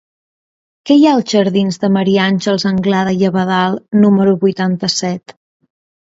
Què hi ha als jardins de Maria Àngels Anglada i d'Abadal número vuitanta-set?